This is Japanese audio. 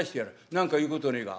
何か言うことねえか？